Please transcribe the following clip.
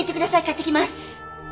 買ってきます。